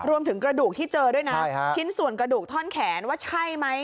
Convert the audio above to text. รวมถึงกระดูกที่เจอด้วยนะชิ้นส่วนกระดูกท่อนแขนว่าใช่ไหม